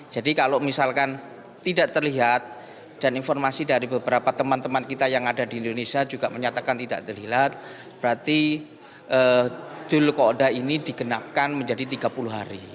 jadi kalau misalkan tidak terlihat dan informasi dari beberapa teman teman kita yang ada di indonesia juga menyatakan tidak terlihat berarti duluk kodah ini digenapkan menjadi tiga puluh hari